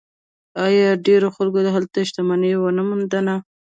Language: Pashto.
آیا ډیرو خلکو هلته شتمني ونه موندله؟